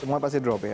semua pasti drop ya